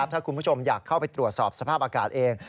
ถ้าคุณผู้ชมอยากเข้าไปตรวจสอบสภาพอากาศเอง